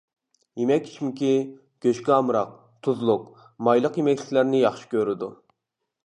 يېمەك-ئىچمىكى: گۆشكە ئامراق، تۇزلۇق، مايلىق يېمەكلىكلەرنى ياخشى كۆرىدۇ.